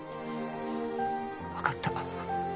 分かった。